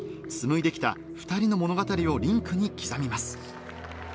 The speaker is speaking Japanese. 紡いできた２人の物語をリンクに刻みます。